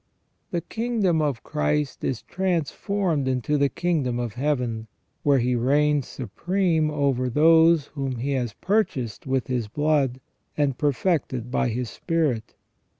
The kingdom of Christ is transformed into the kingdom of Heaven, where He reigns supreme over those whom He has purchased with His blood, and perfected by His spirit.